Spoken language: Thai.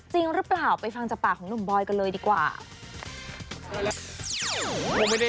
จริงหรือเปล่าไปฟังจากปากของหนุ่มบอยกันเลยดีกว่า